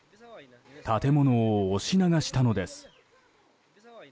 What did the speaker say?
建物を押し流したのです。